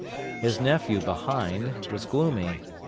His nephew, behind, was gloomy.